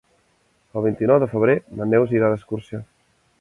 El vint-i-nou de febrer na Neus irà d'excursió.